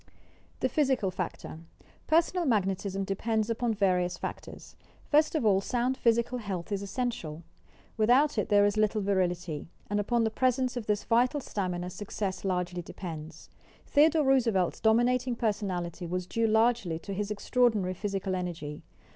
THE PHYSICAL FACTOR Personal Magnetism depends upon various factors. First of all sound physical health is essential. With out it there is little virility, and upon the presence of this vital stamina success largely depends. Theodore Roosevelt's dominating personality was due largely to his extraordinary physical energy.